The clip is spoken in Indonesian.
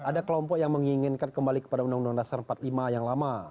ada kelompok yang menginginkan kembali kepada undang undang dasar empat puluh lima yang lama